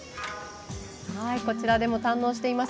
こちらでも堪能しています。